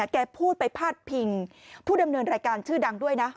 แกพูดไปพาดพิงผู้ดำเนินรายการชื่อดังด้วยนะ